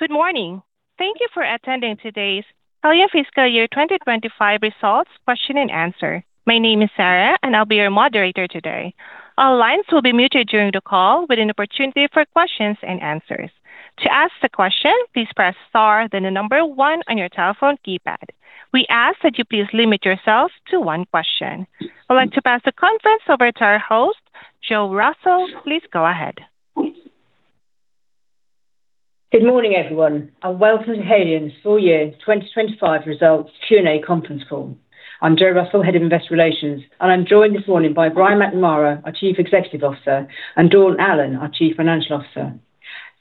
Good morning. Thank you for attending today's Haleon Fiscal Year 2025 Results Question-and-Answer. My name is Sarah, and I'll be your moderator today. All lines will be muted during the call, with an opportunity for questions-and-answers. To ask the question, please press star, then the number one on your telephone keypad. We ask that you please limit yourself to one question. I'd like to pass the conference over to our host, Jo Russell. Please go ahead. Good morning, everyone. Welcome to Haleon's Full Year 2025 Results Q&A Conference Call. I'm Jo Russell, Head of Investor Relations, and I'm joined this morning by Brian McNamara, our Chief Executive Officer, and Dawn Allen, our Chief Financial Officer.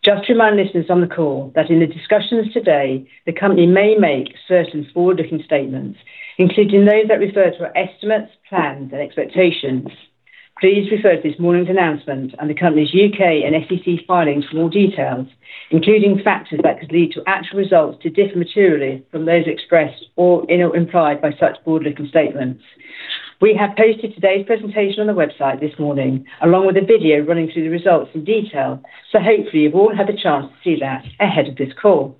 Just to remind listeners on the call that in the discussions today, the company may make certain forward-looking statements, including those that refer to our estimates, plans, and expectations. Please refer to this morning's announcement and the company's U.K. and SEC filings for more details, including factors that could lead to actual results to differ materially from those expressed or implied by such forward-looking statements. We have posted today's presentation on the website this morning, along with a video running through the results in detail. Hopefully, you've all had the chance to see that ahead of this call.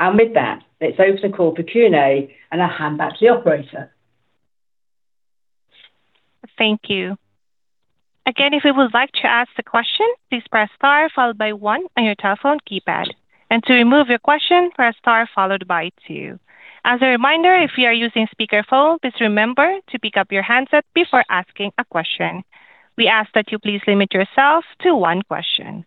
With that, let's open the call for Q&A, and I'll hand back to the Operator. Thank you. Again, if you would like to ask the question, please press star followed by one on your telephone keypad. To remove your question, press star followed by two. As a reminder, if you are using speakerphone, please remember to pick up your handset before asking a question. We ask that you please limit yourself to one question.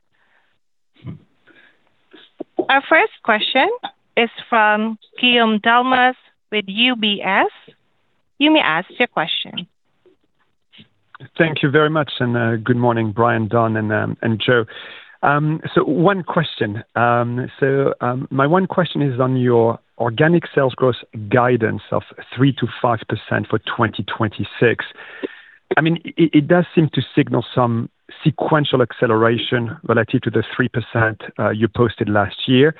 Our first question is from Guillaume Delmas with UBS. You may ask your question. Thank you very much. Good morning, Brian, Dawn, and Jo. One question. My one question is on your organic sales growth guidance of 3%-5% for 2026. I mean, it does seem to signal some sequential acceleration relative to the 3% you posted last year.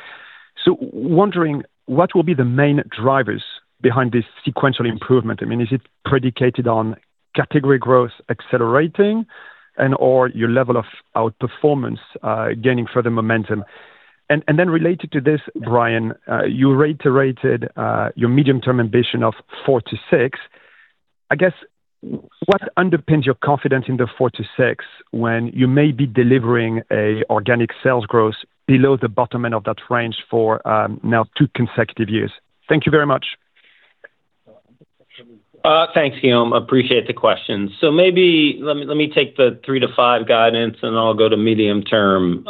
Wondering, what will be the main drivers behind this sequential improvement? I mean, is it predicated on category growth accelerating and/or your level of outperformance gaining further momentum? Related to this, Brian, you reiterated your medium-term ambition of 4%-6%. I guess, what underpins your confidence in the 4%-6% when you may be delivering a organic sales growth below the bottom end of that range for now two consecutive years? Thank you very much. Thanks, Guillaume. Appreciate the question. Maybe let me take the 3%-5% guidance, and I'll go to medium-term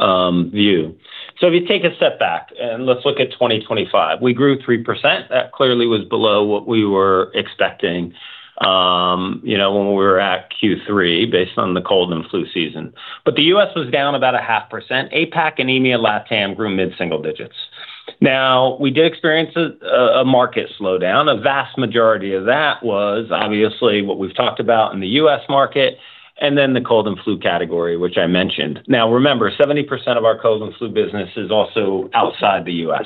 view. If you take a step back and let's look at 2025, we grew 3%. That clearly was below what we were expecting, you know, when we were at Q3, based on the cold and flu season. The U.S. was down about 0.5%. APAC, and EMEA, LATAM grew mid-single digits. We did experience a market slowdown. A vast majority of that was obviously what we've talked about in the U.S. market and then the cold and flu category, which I mentioned. Remember, 70% of our cold and flu business is also outside the U.S.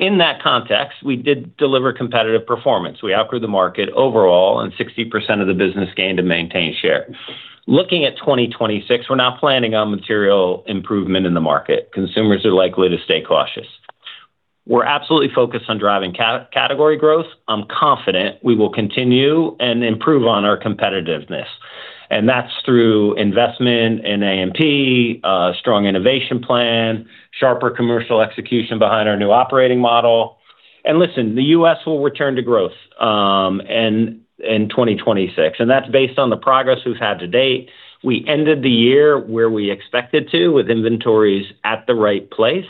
In that context, we did deliver competitive performance. We outgrew the market overall, and 60% of the business gained to maintain share. Looking at 2026, we're now planning on material improvement in the market. Consumers are likely to stay cautious. We're absolutely focused on driving category growth. I'm confident we will continue and improve on our competitiveness, and that's through investment in A&P, a strong innovation plan, sharper commercial execution behind our new operating model. Listen, the U.S. will return to growth in 2026, and that's based on the progress we've had to date. We ended the year where we expected to, with inventories at the right place.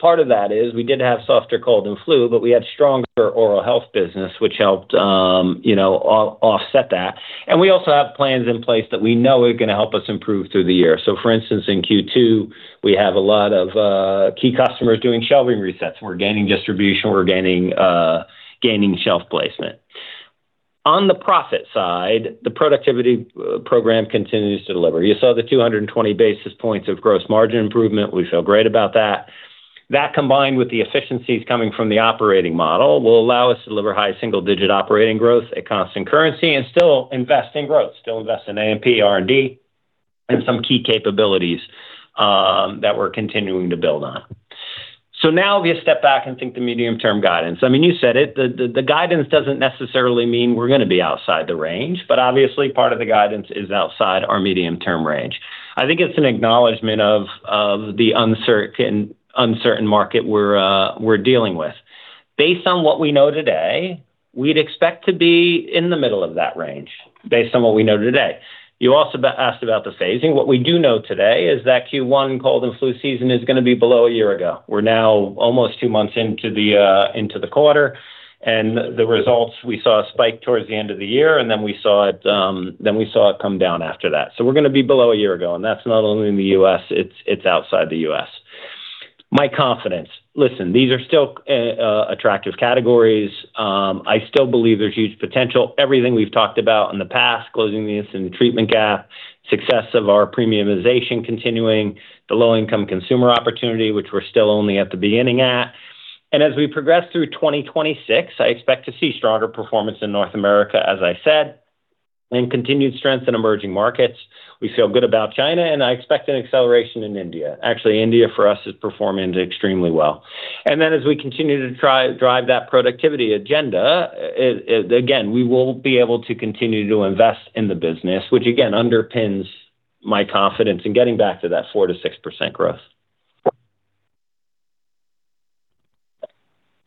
Part of that is we did have softer cold and flu, but we had stronger oral health business, which helped, you know, offset that. We also have plans in place that we know are gonna help us improve through the year. For instance, in Q2, we have a lot of key customers doing shelving resets. We're gaining distribution, we're gaining shelf placement. On the profit side, the productivity program continues to deliver. You saw the 220 basis points of gross margin improvement. We feel great about that. That, combined with the efficiencies coming from the operating model, will allow us to deliver high single-digit operating growth at constant currency and still invest in growth, still invest in A&P, R&D, and some key capabilities that we're continuing to build on. Now we step back and think the medium-term guidance. I mean, you said it, the guidance doesn't necessarily mean we're gonna be outside the range, but obviously, part of the guidance is outside our medium-term range. I think it's an acknowledgment of the uncertain market we're dealing with. Based on what we know today, we'd expect to be in the middle of that range, based on what we know today. You also asked about the phasing. What we do know today is that Q1 cold and flu season is gonna be below a year ago. We're now almost two months into the quarter, and the results, we saw a spike towards the end of the year, and then we saw it, then we saw it come down after that. We're gonna be below a year ago, and that's not only in the U.S., it's outside the U.S. My confidence. Listen, these are still attractive categories. I still believe there's huge potential. Everything we've talked about in the past, closing the incident treatment gap, success of our premiumization continuing, the low-income consumer opportunity, which we're still only at the beginning at. As we progress through 2026, I expect to see stronger performance in North America, as I said, and continued strength in emerging markets. We feel good about China, and I expect an acceleration in India. Actually, India, for us, is performing extremely well. As we continue to drive that productivity agenda, again, we will be able to continue to invest in the business, which, again, underpins my confidence in getting back to that 4%-6% growth.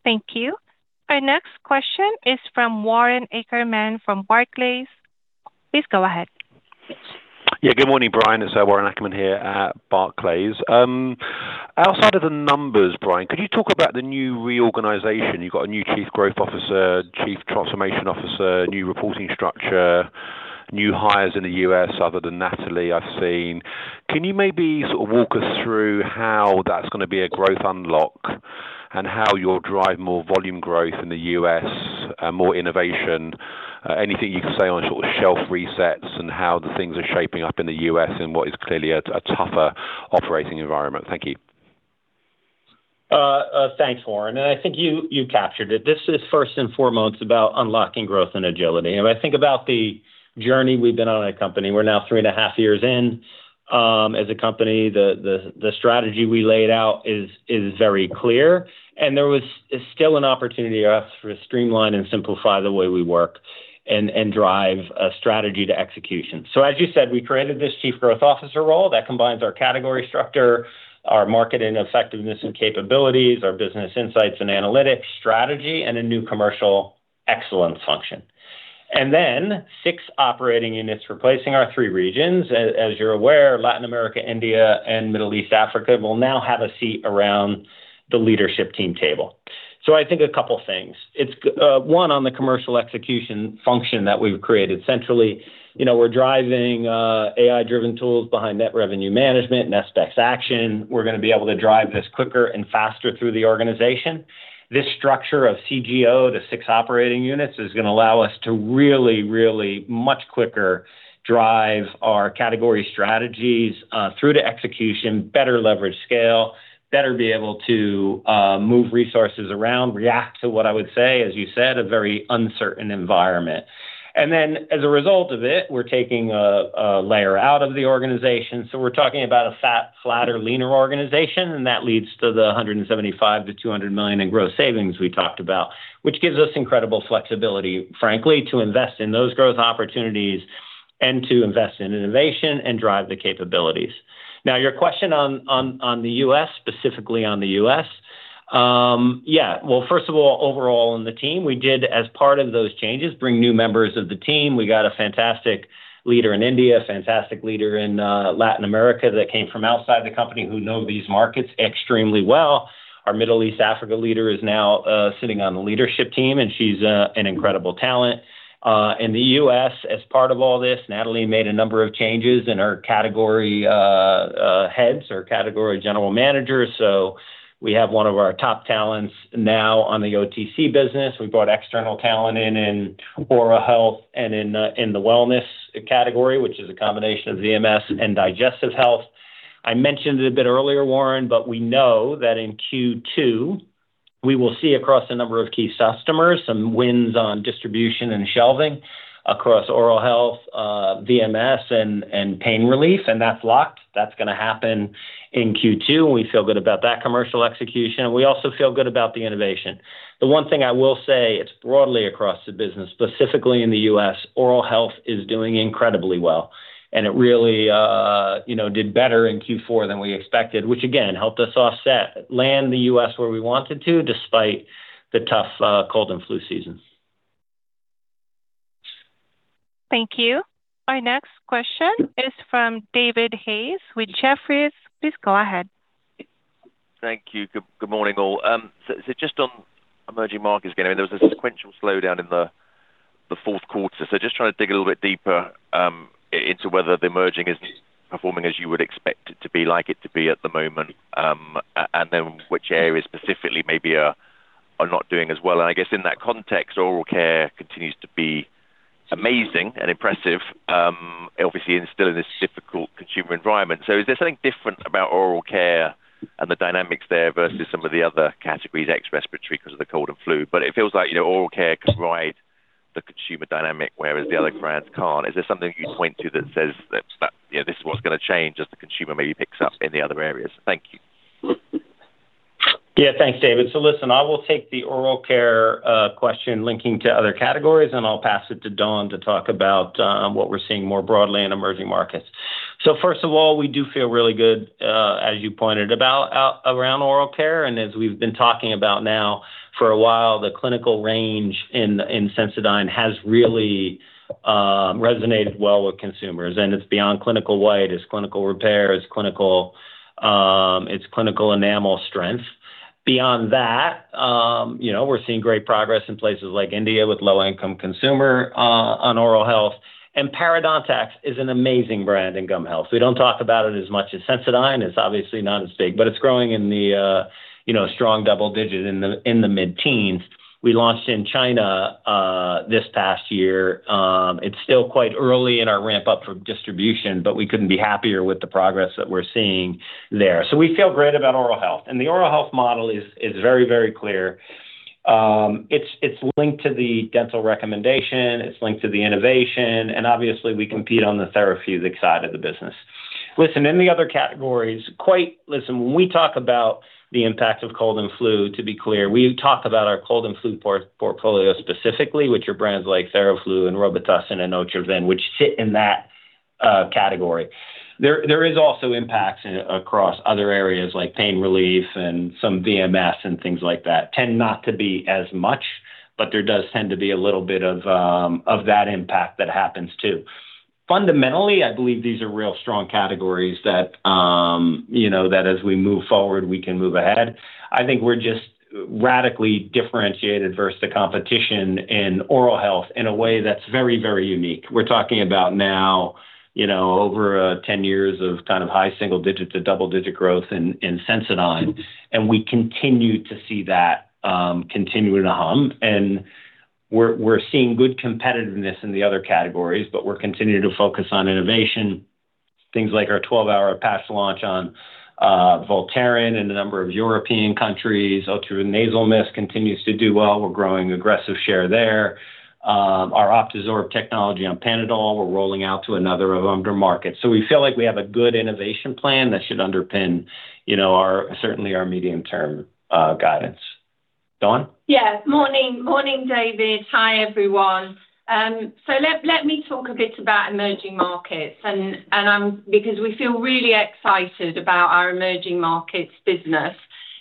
Thank you. Our next question is from Warren Ackerman from Barclays. Please go ahead. Yeah. Good morning, Brian. It's Warren Ackerman here at Barclays. Outside of the numbers, Brian, could you talk about the new reorganization? You've got a new chief growth officer, chief transformation officer, new reporting structure, new hires in the U.S. other than Natalie, I've seen. Can you maybe sort of walk us through how that's going to be a growth unlock, and how you'll drive more volume growth in the U.S., more innovation? Anything you can say on sort of shelf resets and how the things are shaping up in the U.S. in what is clearly a tougher operating environment? Thank you. Thanks, Warren, I think you captured it. This is first and foremost about unlocking growth and agility. If I think about the journey we've been on as a company, we're now three and a half years in. As a company, the strategy we laid out is very clear, is still an opportunity for us to streamline and simplify the way we work and drive a strategy to execution. As you said, we created this chief growth officer role that combines our category structure, our marketing effectiveness and capabilities, our business insights and analytics, strategy, and a new commercial excellence function. Then six operating units replacing our three regions. As you're aware, Latin America, India, and Middle East, Africa will now have a seat around the leadership team table. I think a couple of things. It's one, on the commercial execution function that we've created centrally, you know, we're driving AI-driven tools behind net revenue management, net price action. We're gonna be able to drive this quicker and faster through the organization. This structure of CGO to six operating units is gonna allow us to really much quicker drive our category strategies through to execution, better leverage scale, better be able to move resources around, react to what I would say, as you said, a very uncertain environment. As a result of it, we're taking a layer out of the organization, so we're talking about a flatter, leaner organization, and that leads to the 175 million-200 million in gross savings we talked about, which gives us incredible flexibility, frankly, to invest in those growth opportunities and to invest in innovation and drive the capabilities. Your question on the U.S., specifically on the U.S. Yeah, well, first of all, overall, in the team, we did, as part of those changes, bring new members of the team. We got a fantastic leader in India, a fantastic leader in Latin America that came from outside the company, who know these markets extremely well. Our Middle East, Africa leader is now sitting on the leadership team, and she's an incredible talent. In the U.S., as part of all this, Natalie made a number of changes in our category heads or category general managers. We have one of our top talents now on the OTC business. We brought external talent in oral health and in the wellness category, which is a combination of VMS and digestive health. I mentioned it a bit earlier, Warren, but we know that in Q2, we will see across a number of key customers, some wins on distribution and shelving across oral health, VMS and pain relief. That's locked. That's gonna happen in Q2, and we feel good about that commercial execution. We also feel good about the innovation. The one thing I will say, it's broadly across the business, specifically in the U.S., oral health is doing incredibly well, and it really, you know, did better in Q4 than we expected, which again, helped us offset, land the U.S. where we wanted to, despite the tough, cold and flu season. Thank you. Our next question is from David Hayes with Jefferies. Please go ahead. Thank you. Good morning, all. Just on emerging markets, again, there was a sequential slowdown in the fourth quarter. Just trying to dig a little bit deeper into whether the emerging is performing as you would expect it to be like it to be at the moment, and then which areas specifically maybe are not doing as well. I guess in that context, oral care continues to be amazing and impressive, obviously, and still in this difficult consumer environment. Is there something different about oral care and the dynamics there versus some of the other categories, ex respiratory, because of the cold and flu? It feels like, you know, oral care can ride the consumer dynamic, whereas the other brands can't. Is there something you'd point to that says that, you know, this is what's gonna change as the consumer maybe picks up in the other areas? Thank you. Thanks, David. Listen, I will take the oral care question linking to other categories, and I'll pass it to Dawn to talk about what we're seeing more broadly in emerging markets. First of all, we do feel really good, as you pointed around oral care, and as we've been talking about now for a while, the clinical range in Sensodyne has really resonated well with consumers, and it's beyond Clinical White, it's Clinical Repair, it's Clinical Enamel Strength. Beyond that, you know, we're seeing great progress in places like India with low-income consumer on oral health. parodontax is an amazing brand in gum health. We don't talk about it as much as Sensodyne. It's obviously not as big, but it's growing in the, you know, strong double-digit in the mid-teens. We launched in China, this past year. It's still quite early in our ramp-up for distribution, but we couldn't be happier with the progress that we're seeing there. We feel great about oral health, and the oral health model is very, very clear. It's linked to the dental recommendation, it's linked to the innovation, and obviously we compete on the therapeutic side of the business. Listen, in the other categories, listen, when we talk about the impact of cold and flu, to be clear, we've talked about our cold and flu portfolio specifically, which are brands like Theraflu, and Robitussin, and Otrivin, which sit in that category. There is also impacts in, across other areas like pain relief and some VMS and things like that tend not to be as much, but there does tend to be a little bit of that impact that happens, too. Fundamentally, I believe these are real strong categories that, you know, that as we move forward, we can move ahead. I think we're just radically differentiated versus the competition in oral health in a way that's very, very unique. We're talking about now, you know, over 10 years of kind of high single-digit to double-digit growth in Sensodyne, and we continue to see that continuing to hum. We're seeing good competitiveness in the other categories, but we're continuing to focus on innovation. Things like our 12-hour past launch on Voltaren in a number of European countries. Otrivin Nasal Mist continues to do well. We're growing aggressive share there. Our Optizorb technology on Panadol, we're rolling out to another of under markets. We feel like we have a good innovation plan that should underpin, you know, our, certainly our medium-term, guidance. Dawn? Yeah. Morning, morning, David. Hi, everyone. Let me talk a bit about emerging markets and because we feel really excited about our emerging markets business.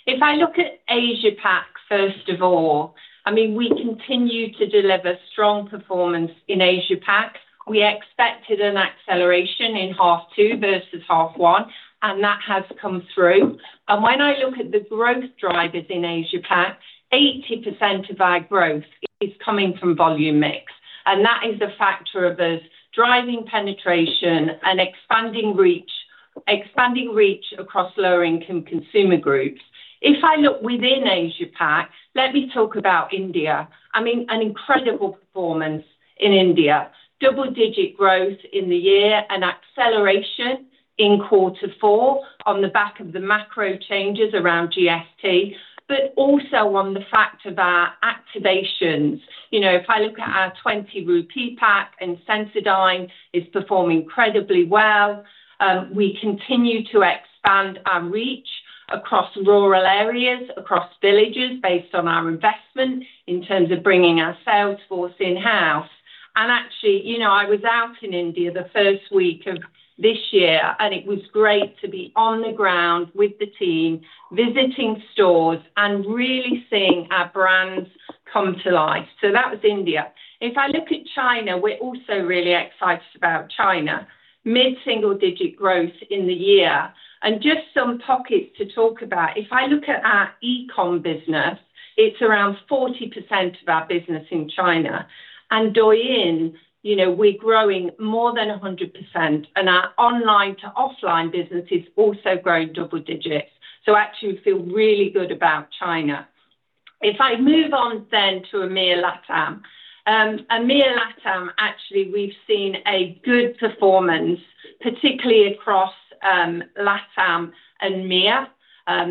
If I look at Asia PAC, first of all, I mean, we continue to deliver strong performance in Asia PAC. We expected an acceleration in half two versus half one, that has come through. When I look at the growth drivers in Asia PAC, 80% of our growth is coming from volume mix, and that is a factor of both driving penetration and expanding reach across lower-income consumer groups. If I look within Asia PAC, let me talk about India. I mean, an incredible performance in India. Double-digit growth in the year and acceleration in quarter four on the back of the macro changes around GST, but also on the fact of our activations. You know, if I look at our 20 rupee pack, Sensodyne is performing incredibly well. We continue to expand our reach across rural areas, across villages, based on our investment in terms of bringing our sales force in-house. Actually, you know, I was out in India the first week of this year, and it was great to be on the ground with the team, visiting stores and really seeing our brands come to life. That was India. If I look at China, we're also really excited about China. Mid-single digit growth in the year and just some pockets to talk about. If I look at our e-commerce business, it's around 40% of our business in China. Douyin, you know, we're growing more than 100%, and our online-to-offline business is also growing double digits. Actually, we feel really good about China. If I move on to EMEA, LATAM. EMEA, LATAM, actually, we've seen a good performance, particularly across LATAM and EMEA,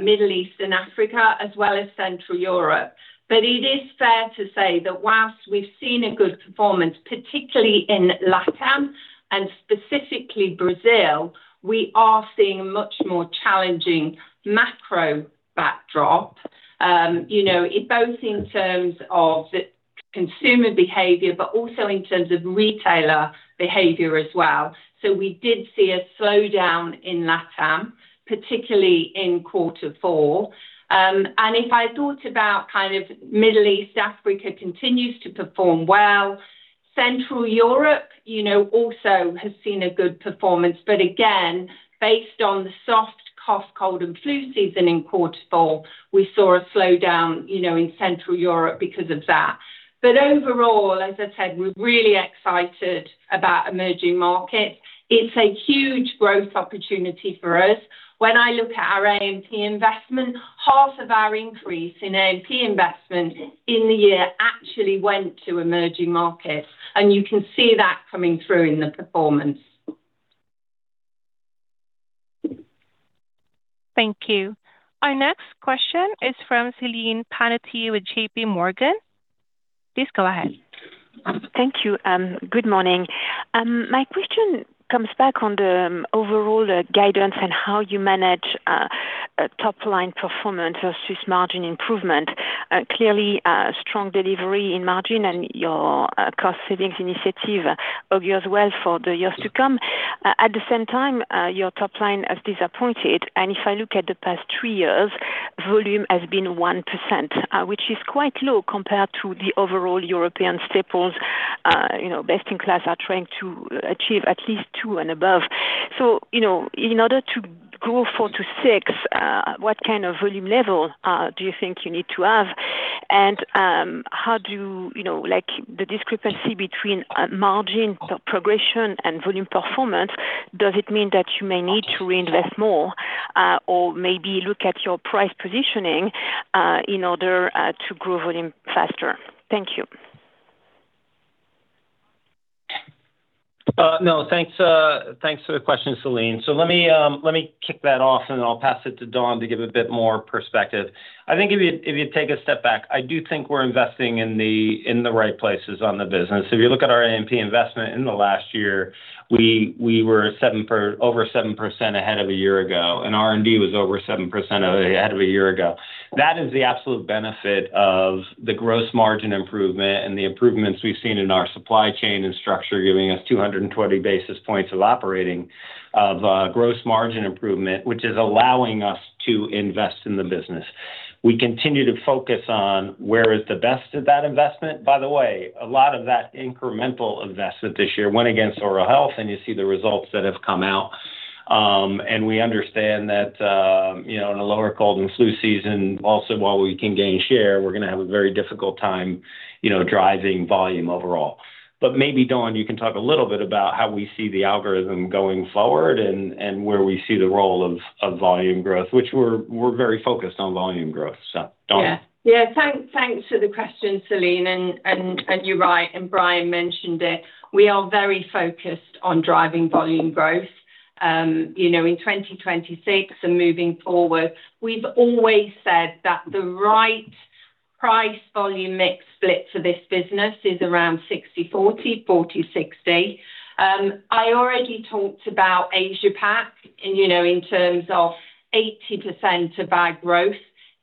Middle East and Africa, as well as Central Europe. It is fair to say that whilst we've seen a good performance, particularly in LATAM and specifically Brazil, we are seeing a much more challenging macro backdrop. You know, both in terms of the consumer behavior, but also in terms of retailer behavior as well. We did see a slowdown in LATAM, particularly in quarter four. If I thought about kind of Middle East, Africa continues to perform well. Central Europe, you know, also has seen a good performance. Again, based on the soft cough, cold and flu season in quarter four, we saw a slowdown, you know, in Central Europe because of that. Overall, as I said, we're really excited about emerging markets. It's a huge growth opportunity for us. When I look at our A&P investment, half of our increase in A&P investment in the year actually went to emerging markets, and you can see that coming through in the performance. Thank you. Our next question is from Celine Pannuti with JPMorgan. Please go ahead. Thank you. Good morning. My question comes back on the overall guidance and how you manage top-line performance versus margin improvement. Clearly, strong delivery in margin and your cost savings initiative augurs well for the years to come. At the same time, your top line has disappointed, and if I look at the past three years, volume has been 1%, which is quite low compared to the overall European staples. You know, best in class are trying to achieve at least two and above. You know, in order to grow 4%-6%, what kind of volume level do you think you need to have? And, how do you... You know, like the discrepancy between margin progression and volume performance, does it mean that you may need to reinvest more, or maybe look at your price positioning, in order to grow volume faster? Thank you. ... No, thanks for the question, Celine. Let me kick that off, and then I'll pass it to Dawn to give a bit more perspective. I think if you take a step back, I do think we're investing in the right places on the business. If you look at our A&P investment in the last year, we were over 7% ahead of a year ago. R&D was over 7% ahead of a year ago. That is the absolute benefit of the gross margin improvement and the improvements we've seen in our supply chain and structure, giving us 220 basis points of operating gross margin improvement, which is allowing us to invest in the business. We continue to focus on where is the best of that investment. A lot of that incremental investment this year went against oral health, and you see the results that have come out. We understand that, you know, in a lower cold and flu season, also, while we can gain share, we're going to have a very difficult time, you know, driving volume overall. Maybe, Dawn, you can talk a little bit about how we see the algorithm going forward and where we see the role of volume growth, which we're very focused on volume growth. Dawn. Yeah, thanks for the question, Celine. You're right, and Brian mentioned it. We are very focused on driving volume growth. you know, in 2026 and moving forward, we've always said that the right price volume mix split for this business is around 60/40/60. I already talked about Asia-Pac, you know, in terms of 80% of our growth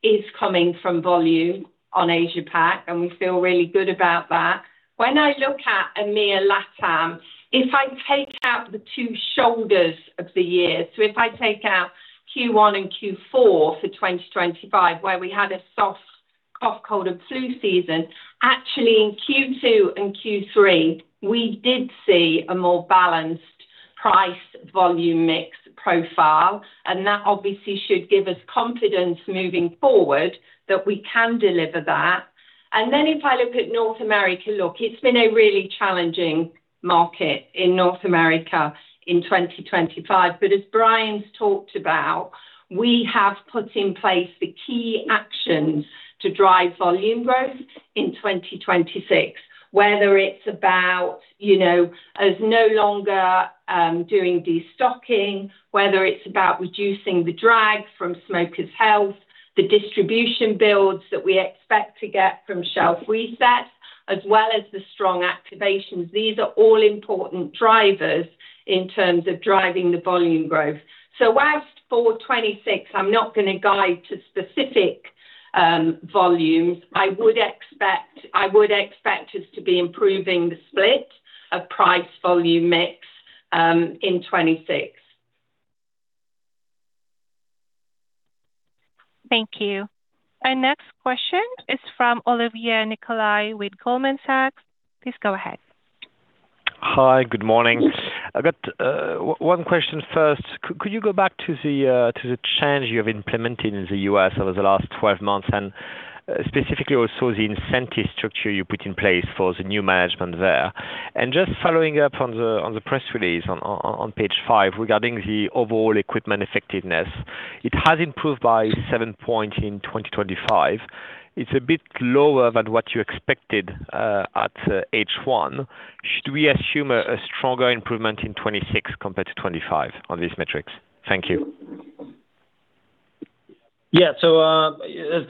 is coming from volume on Asia-Pac, and we feel really good about that. When I look at EMEA, LATAM, if I take out the two shoulders of the year, so if I take out Q1 and Q4 for 2025, where we had a soft cough, cold and flu season, actually, in Q2 and Q3, we did see a more balanced price volume mix profile, and that obviously should give us confidence moving forward that we can deliver that. If I look at North America, look, it's been a really challenging market in North America in 2025. As Brian's talked about, we have put in place the key actions to drive volume growth in 2026. Whether it's about, you know, us no longer doing destocking, whether it's about reducing the drag from Smokers' Health, the distribution builds that we expect to get from shelf resets, as well as the strong activations. These are all important drivers in terms of driving the volume growth. Whilst for 2026, I'm not going to guide to specific volumes, I would expect us to be improving the split of price volume mix in 2026. Thank you. Our next question is from Olivier Nicolai with Goldman Sachs. Please go ahead. Hi, good morning. I've got one question first. Could you go back to the change you have implemented in the U.S. over the last 12 months, and specifically also the incentive structure you put in place for the new management there? Just following up on the press release on page five, regarding the overall equipment effectiveness, it has improved by 7 point in 2025. It's a bit lower than what you expected at H1. Should we assume a stronger improvement in 2026 compared to 2025 on these metrics? Thank you. Yeah.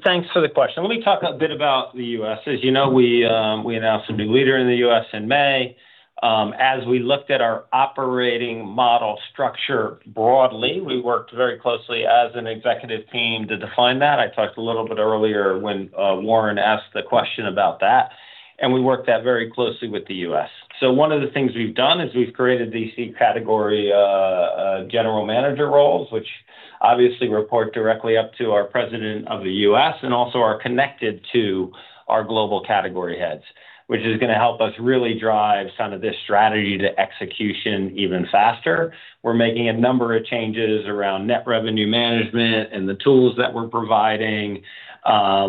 Thanks for the question. Let me talk a bit about the U.S. As you know, we announced a new leader in the U.S. in May. As we looked at our operating model structure broadly, we worked very closely as an executive team to define that. I talked a little bit earlier when Warren asked the question about that, and we worked that very closely with the U.S. One of the things we've done is we've created these category general manager roles, which obviously report directly up to our president of the U.S. and also are connected to our global category heads, which is going to help us really drive some of this strategy to execution even faster. We're making a number of changes around net revenue management and the tools that we're providing.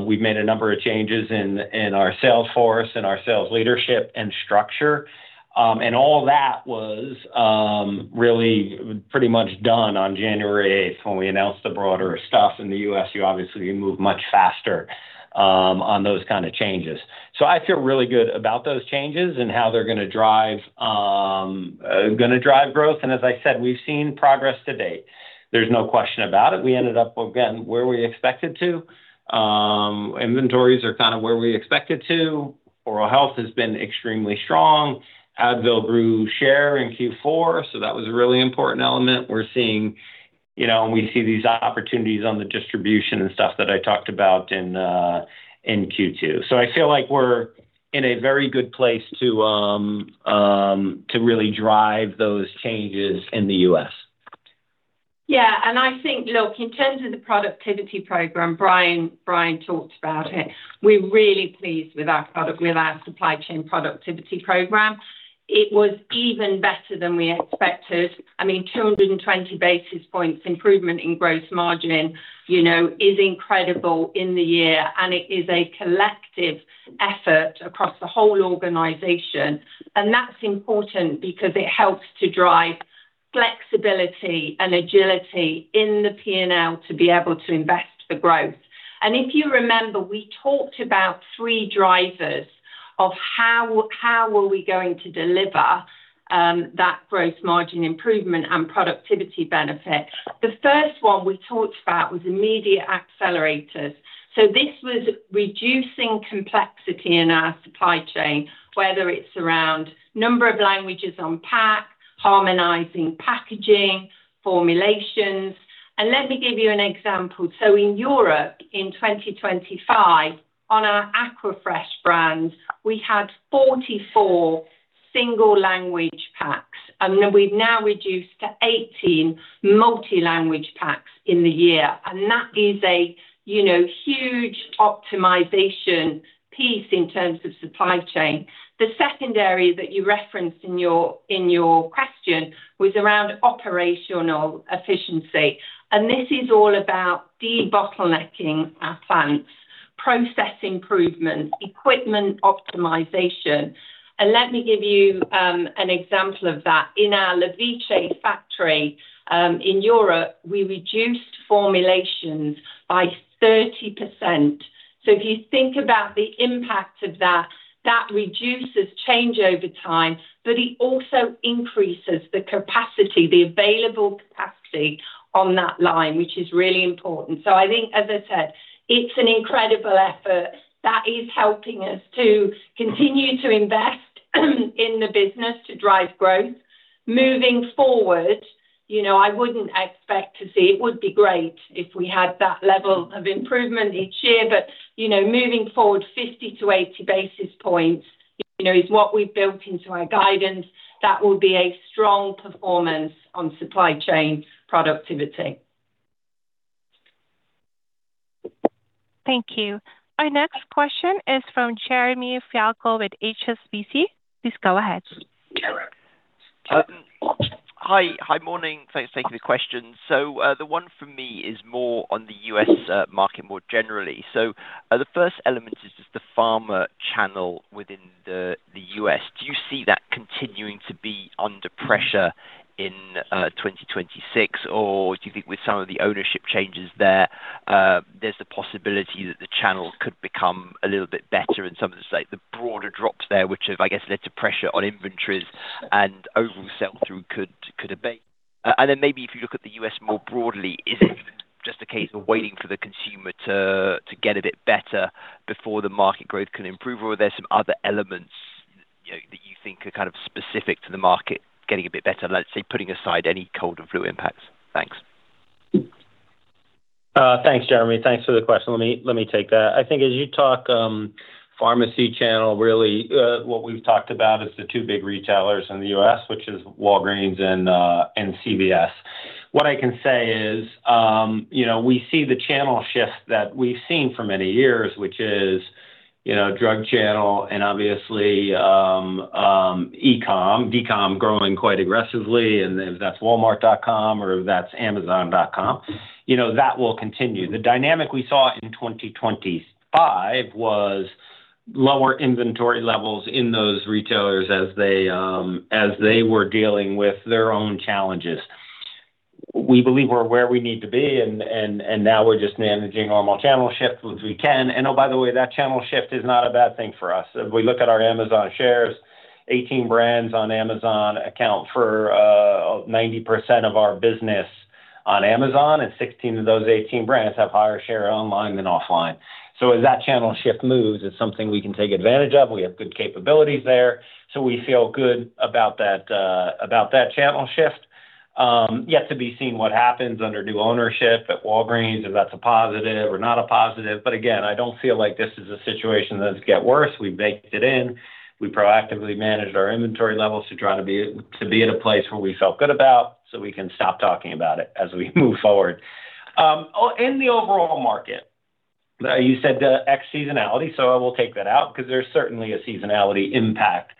We've made a number of changes in our sales force and our sales leadership and structure. All that was really pretty much done on January eighth, when we announced the broader stuff. In the U.S., you obviously move much faster on those kind of changes. I feel really good about those changes and how they're gonna drive growth. As I said, we've seen progress to date. There's no question about it. We ended up, again, where we expected to. Inventories are kind of where we expected to. Oral health has been extremely strong. Advil grew share in Q4, so that was a really important element. You know, we see these opportunities on the distribution and stuff that I talked about in Q2. I feel like we're in a very good place to really drive those changes in the U.S. I think, look, in terms of the productivity program, Brian talked about it. We're really pleased with our supply chain productivity program. It was even better than we expected. I mean, 220 basis points improvement in gross margin, you know, is incredible in the year, and it is a collective effort across the whole organization, and that's important because it helps to drive flexibility and agility in the P&L to be able to invest for growth. If you remember, we talked about three drivers of how were we going to deliver that gross margin improvement and productivity benefit. The first one we talked about was immediate accelerators. So this was reducing complexity in our supply chain, whether it's around number of languages on pack, harmonizing packaging, formulations. Let me give you an example. In Europe, in 2025, on our Aquafresh brand, we had 44 single language packs, and we've now reduced to 18 multi-language packs in the year. That is a, you know, huge optimization piece in terms of supply chain. The second area that you referenced in your, in your question was around operational efficiency, and this is all about debottlenecking our plants, process improvement, equipment optimization. Let me give you an example of that. In our Levice factory, in Europe, we reduced formulations by 30%. If you think about the impact of that reduces change over time, but it also increases the capacity, the available capacity on that line, which is really important. I think, as I said, it's an incredible effort that is helping us to continue to invest in the business to drive growth. Moving forward, you know, it would be great if we had that level of improvement each year, but, you know, moving forward, 50-80 basis points, you know, is what we've built into our guidance. That will be a strong performance on supply chain productivity. Thank you. Our next question is from Jeremy Fialko with HSBC. Please go ahead. Hi. Hi, morning. Thanks, thank you for the question. The one for me is more on the U.S. market more generally. The first element is just the pharma channel within the U.S. Do you see that continuing to be under pressure in 2026? Or do you think with some of the ownership changes there's the possibility that the channel could become a little bit better and some of the, say, the broader drops there, which have, I guess, led to pressure on inventories and overall sell-through could abate? Then maybe if you look at the U.S. more broadly, is it just a case of waiting for the consumer to get a bit better before the market growth can improve, or are there some other elements, you know, that you think are kind of specific to the market getting a bit better, let's say, putting aside any cold and flu impacts? Thanks. Thanks, Jeremy. Thanks for the question. Let me take that. I think as you talk, pharmacy channel, really, what we've talked about is the two big retailers in the U.S., which is Walgreens and CVS. What I can say is, you know, we see the channel shift that we've seen for many years, which is, you know, drug channel and obviously, e-commerce. E-commerce growing quite aggressively, if that's Walmart.com or if that's Amazon.com, you know, that will continue. The dynamic we saw in 2025 was lower inventory levels in those retailers as they were dealing with their own challenges. We believe we're where we need to be, now we're just managing normal channel shifts as we can. Oh, by the way, that channel shift is not a bad thing for us. If we look at our Amazon shares, 18 brands on Amazon account for 90% of our business on Amazon, and 16 of those 18 brands have higher share online than offline. As that channel shift moves, it's something we can take advantage of. We have good capabilities there, so we feel good about that channel shift. Yet to be seen what happens under new ownership at Walgreens, if that's a positive or not a positive. Again, I don't feel like this is a situation that get worse. We baked it in. We proactively managed our inventory levels to try to be at a place where we felt good about, so we can stop talking about it as we move forward. In the overall market, you said the ex-seasonality, so I will take that out because there's certainly a seasonality impact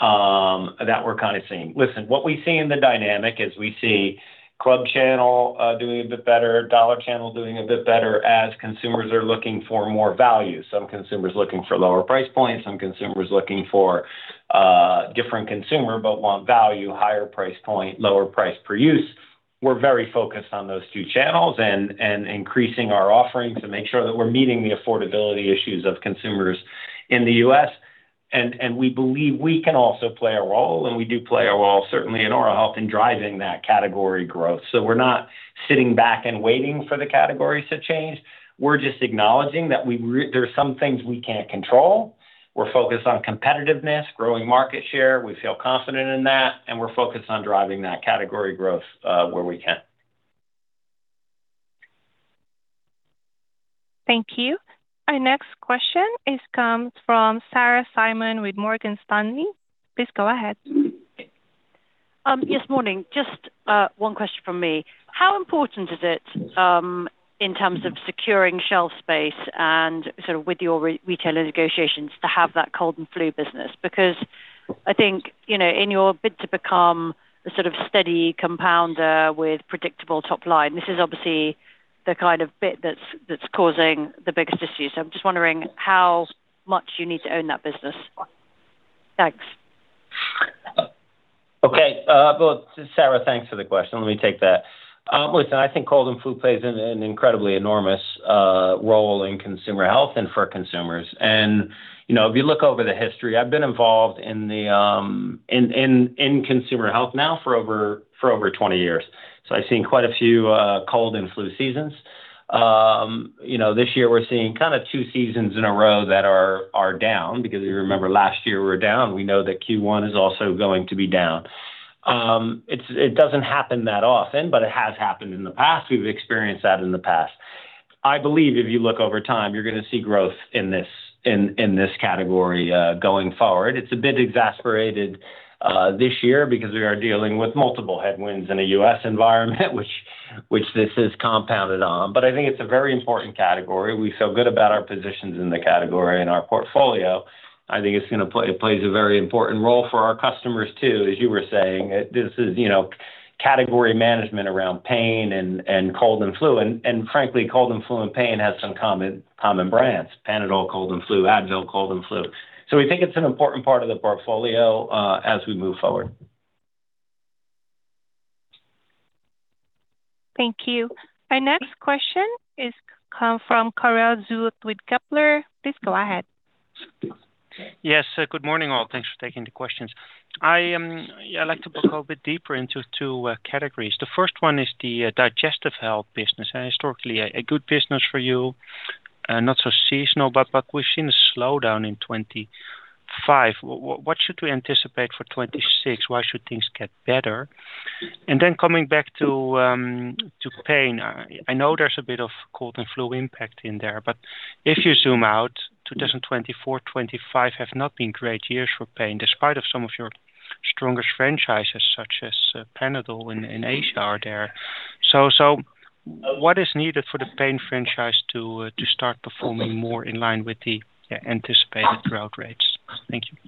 that we're kind of seeing. Listen, what we see in the dynamic is we see club channel doing a bit better, dollar channel doing a bit better as consumers are looking for more value. Some consumers looking for lower price points, some consumers looking for a different consumer, but want value, higher price point, lower price per use. We're very focused on those two channels and increasing our offerings to make sure that we're meeting the affordability issues of consumers in the U.S. We believe we can also play a role, and we do play a role, certainly in oral health, in driving that category growth. We're not sitting back and waiting for the categories to change. We're just acknowledging that there are some things we can't control. We're focused on competitiveness, growing market share. We feel confident in that. We're focused on driving that category growth, where we can. Thank you. Our next question comes from Sarah Simon with Morgan Stanley. Please go ahead. Yes, morning. Just one question from me. How important is it in terms of securing shelf space and sort of with your retailer negotiations to have that cold and flu business? I think, you know, in your bid to become a sort of steady compounder with predictable top line, this is obviously the kind of bit that's causing the biggest issue. I'm just wondering how much you need to own that business. Thanks. Okay, well, Sarah, thanks for the question. Let me take that. Listen, I think cold and flu plays an incredibly enormous role in consumer health and for consumers. You know, if you look over the history, I've been involved in consumer health now for over 20 years. I've seen quite a few cold and flu seasons. You know, this year we're seeing kind of two seasons in a row that are down, because if you remember last year we were down. We know that Q1 is also going to be down. It doesn't happen that often, but it has happened in the past. We've experienced that in the past. I believe if you look over time, you're going to see growth in this category, going forward. It's a bit exasperated this year because we are dealing with multiple headwinds in a U.S. environment, which this is compounded on. I think it's a very important category. We feel good about our positions in the category and our portfolio. I think it's gonna play a very important role for our customers, too. As you were saying, it, this is, you know, category management around pain and cold and flu, and frankly, cold and flu and pain has some common brands, Panadol Cold & Flu, Advil Cold & Flu. We think it's an important part of the portfolio as we move forward. Thank you. Our next question is come from Karel Zoete with Kepler. Please go ahead. Yes, good morning, all. Thanks for taking the questions. I, yeah, I'd like to go a bit deeper into two categories. The first one is the digestive health business, and historically, a good business for you, not so seasonal, but we've seen a slowdown in 2025. What should we anticipate for 2026? Why should things get better? Coming back to pain, I know there's a bit of cold and flu impact in there, but if you zoom out, 2024, 2025 have not been great years for pain, despite of some of your strongest franchises, such as Panadol in Asia, are there. What is needed for the pain franchise to start performing more in line with the anticipated growth rates? Thank you.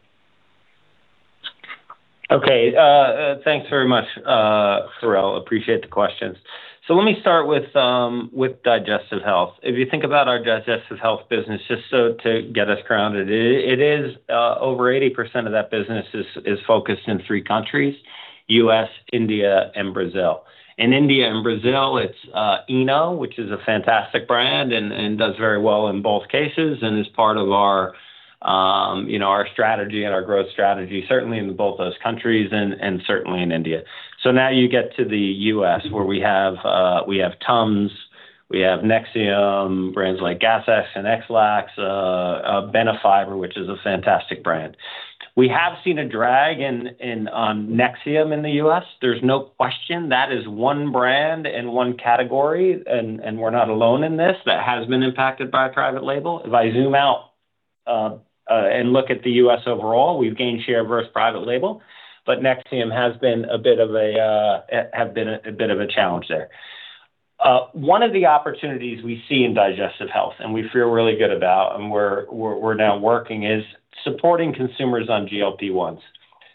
Okay, thanks very much, Karel. Appreciate the questions. Let me start with digestive health. If you think about our digestive health business, just so to get us grounded, it is over 80% of that business is focused in three countries: U.S., India, and Brazil. In India and Brazil, it's Eno, which is a fantastic brand and does very well in both cases and is part of our, you know, our strategy and our growth strategy, certainly in both those countries and certainly in India. Now you get to the U.S., where we have TUMS, we have Nexium, brands like Gas-X and Ex-Lax, Benefiber, which is a fantastic brand. We have seen a drag in on Nexium in the U.S. There's no question that is one brand and one category, and we're not alone in this, that has been impacted by a private label. If I zoom out and look at the U.S. overall, we've gained share versus private label, but Nexium has been a bit of a challenge there. One of the opportunities we see in digestive health, and we feel really good about, and we're now working, is supporting consumers on GLP-1s,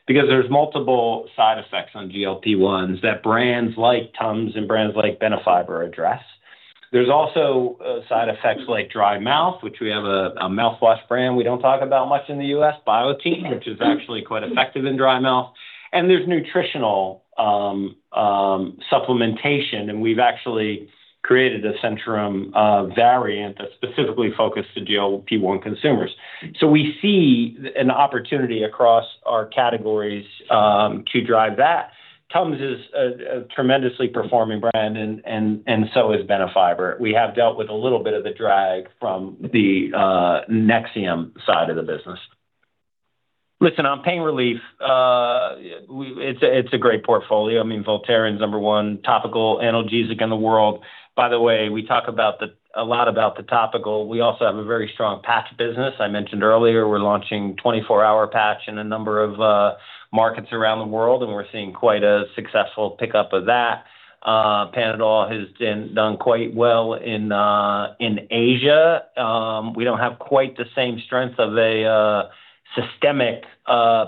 because there's multiple side effects on GLP-1s that brands like TUMS and brands like Benefiber address. There's also side effects like dry mouth, which we have a mouthwash brand we don't talk about much in the U.S., Biotene, which is actually quite effective in dry mouth. There's nutritional supplementation, and we've actually created a Centrum variant that's specifically focused to deal with people and consumers. We see an opportunity across our categories to drive that. TUMS is a tremendously performing brand and so is Benefiber. We have dealt with a little bit of the drag from the Nexium side of the business. Listen, on pain relief, it's a great portfolio. I mean, Voltaren's number one topical analgesic in the world. By the way, we talk a lot about the topical. We also have a very strong patch business. I mentioned earlier, we're launching 24-hour patch in a number of markets around the world, and we're seeing quite a successful pickup of that. Panadol has been done quite well in Asia. We don't have quite the same strength of a systemic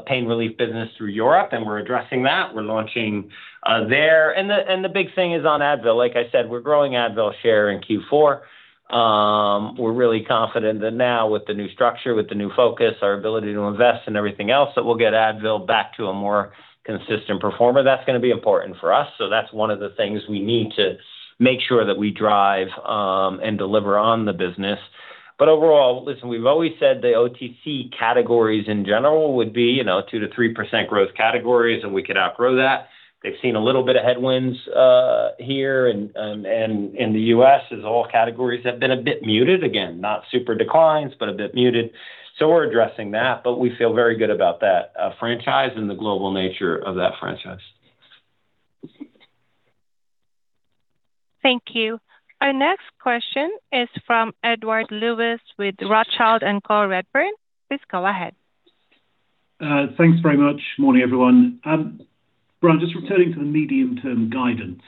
pain relief business through Europe, we're addressing that. We're launching there. The big thing is on Advil. Like I said, we're growing Advil share in Q4. We're really confident that now with the new structure, with the new focus, our ability to invest and everything else, that we'll get Advil back to a more consistent performer. That's gonna be important for us, that's one of the things we need to make sure that we drive and deliver on the business. Overall, listen, we've always said the OTC categories in general would be, you know, 2%-3% growth categories, we could outgrow that. They've seen a little bit of headwinds here and in the U.S., as all categories have been a bit muted. Not super declines, but a bit muted. We're addressing that, but we feel very good about that, franchise and the global nature of that franchise. Thank you. Our next question is from Edward Lewis with Rothschild & Co Redburn. Please go ahead. Thanks very much. Morning, everyone. Brian, just returning to the medium-term guidance,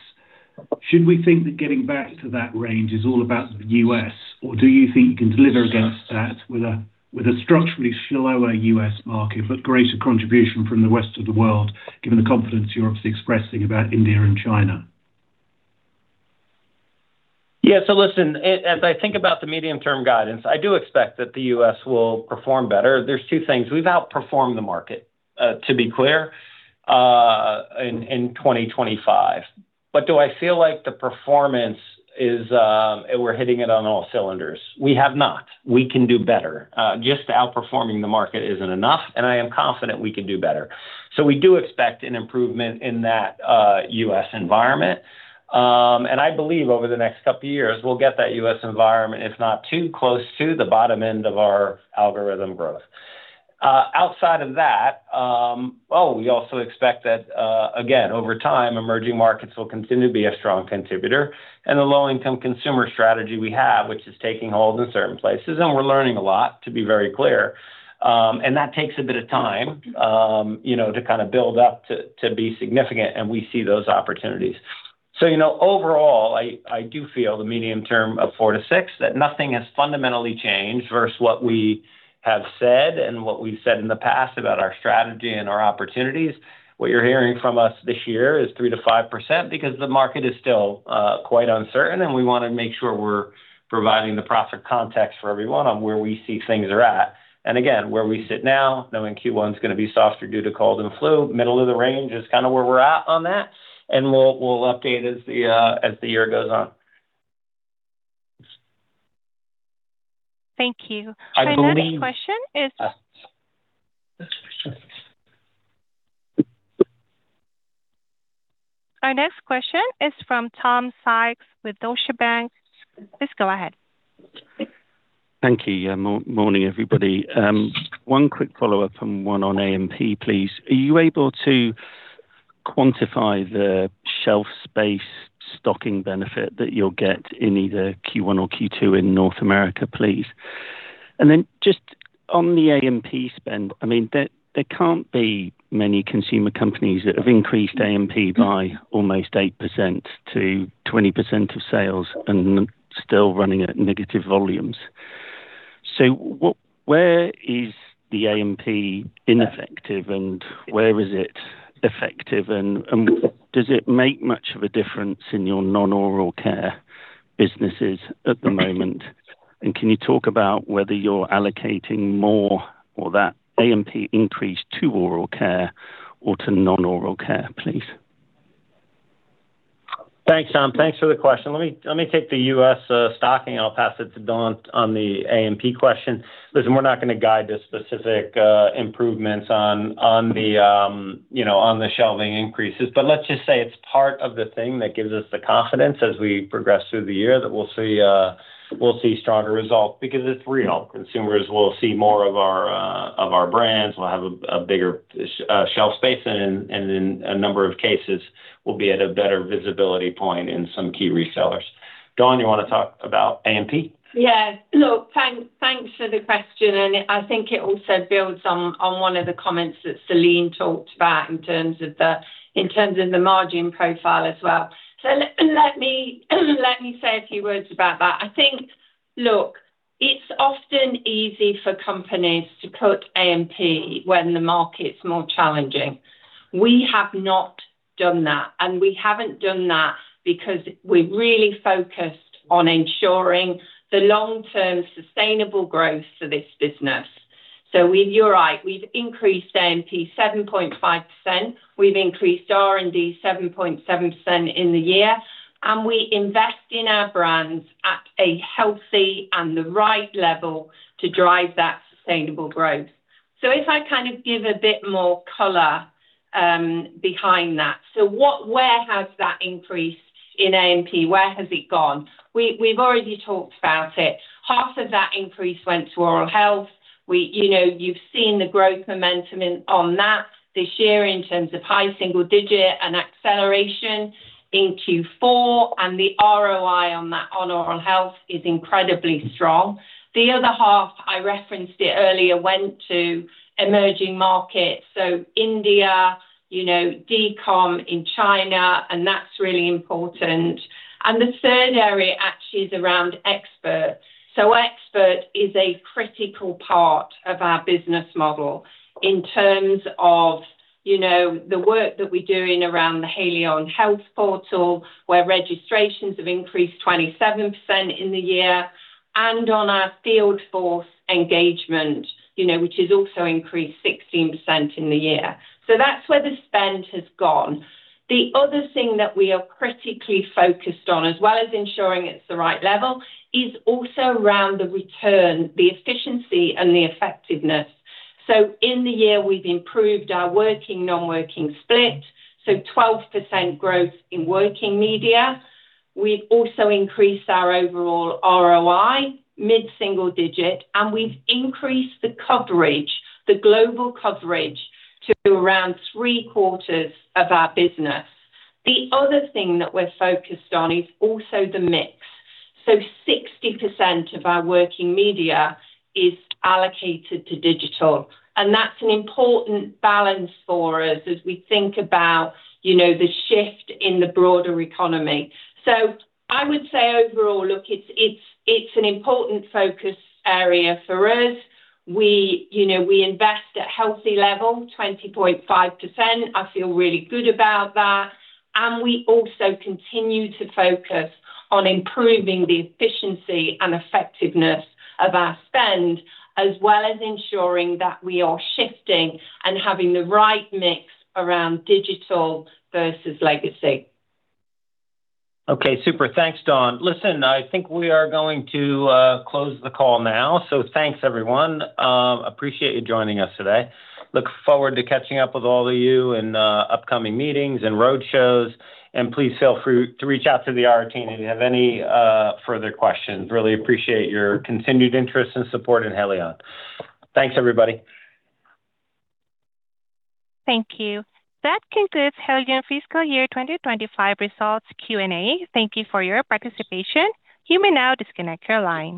should we think that getting back to that range is all about the U.S., or do you think you can deliver against that with a structurally slower U.S. market, but greater contribution from the rest of the world, given the confidence you're obviously expressing about India and China?... Yeah, listen, as I think about the medium-term guidance, I do expect that the U.S. will perform better. There's two things. We've outperformed the market, to be clear, in 2025. Do I feel like the performance is, we're hitting it on all cylinders? We have not. We can do better. Just outperforming the market isn't enough, and I am confident we can do better. We do expect an improvement in that U.S. environment. I believe over the next couple of years, we'll get that U.S. environment, if not too close to the bottom end of our algorithm growth. Outside of that, well, we also expect that, again, over time, emerging markets will continue to be a strong contributor, and the low-income consumer strategy we have, which is taking hold in certain places, and we're learning a lot, to be very clear. That takes a bit of time, you know, to kind of build up to be significant, and we see those opportunities. You know, overall, I do feel the medium term of 4%-6%, that nothing has fundamentally changed versus what we have said and what we've said in the past about our strategy and our opportunities. What you're hearing from us this year is 3%-5% because the market is still quite uncertain, and we want to make sure we're providing the proper context for everyone on where we see things are at. Again, where we sit now, knowing Q1 is going to be softer due to cold and flu, middle of the range is kind of where we're at on that, and we'll update as the year goes on. Thank you. I believe- Our next question is from Tom Sykes with Deutsche Bank. Please go ahead. Thank you. Morning, everybody. One quick follow-up and one on A&P, please. Are you able to quantify the shelf space stocking benefit that you'll get in either Q1 or Q2 in North America, please? Just on the A&P spend, I mean, there can't be many consumer companies that have increased A&P by almost 8% to 20% of sales and still running at negative volumes. Where is the A&P ineffective, and where is it effective? Does it make much of a difference in your non-oral care businesses at the moment? Can you talk about whether you're allocating more or that A&P increase to oral care or to non-oral care, please? Thanks, Tom. Thanks for the question. Let me take the U.S. stocking. I'll pass it to Dawn on the A&P question. Listen, we're not going to guide the specific improvements on the, you know, on the shelving increases, but let's just say it's part of the thing that gives us the confidence as we progress through the year, that we'll see stronger results because it's real. Consumers will see more of our brands. We'll have a bigger shelf space, and in a number of cases, we'll be at a better visibility point in some key resellers. Dawn, you want to talk about A&P? Yeah. Look, thanks for the question, and I think it also builds on one of the comments that Celine talked about in terms of the margin profile as well. Let me say a few words about that. I think, look, it's often easy for companies to cut A&P when the market's more challenging. We have not done that, we haven't done that because we've really focused on ensuring the long-term sustainable growth for this business. We, you're right, we've increased A&P 7.5%. We've increased R&D 7.7% in the year, and we invest in our brands at a healthy and the right level to drive that sustainable growth. If I kind of give a bit more color behind that, where has that increase in A&P, where has it gone? We've already talked about it. Half of that increase went to oral health. You know, you've seen the growth momentum in, on that this year in terms of high single digit and acceleration in Q4, and the ROI on that, on oral health is incredibly strong. The other half, I referenced it earlier, went to emerging markets, so India, you know, Douyin in China, and that's really important. The third area actually is around expert. Expert is a critical part of our business model in terms of, you know, the work that we're doing around the Haleon Health Partner, where registrations have increased 27% in the year, and on our field force engagement, you know, which has also increased 16% in the year. That's where the spend has gone. The other thing that we are critically focused on, as well as ensuring it's the right level, is also around the return, the efficiency, and the effectiveness. In the year, we've improved our working, non-working split, so 12% growth in working media. We've also increased our overall ROI, mid-single digit, and we've increased the coverage, the global coverage, to around three-quarters of our business. The other thing that we're focused on is also the mix. Sixty percent of our working media is allocated to digital, and that's an important balance for us as we think about, you know, the shift in the broader economy. I would say overall, look, it's an important focus area for us. We, you know, we invest at healthy level, 20.5%. I feel really good about that, and we also continue to focus on improving the efficiency and effectiveness of our spend, as well as ensuring that we are shifting and having the right mix around digital versus legacy. Okay, super. Thanks, Dawn. Listen, I think we are going to close the call now. Thanks, everyone. Appreciate you joining us today. Look forward to catching up with all of you in upcoming meetings and roadshows. Please feel free to reach out to the IR team if you have any further questions. Really appreciate your continued interest and support in Haleon. Thanks, everybody. Thank you. That concludes Haleon fiscal year 2025 results Q&A. Thank you for your participation. You may now disconnect your line.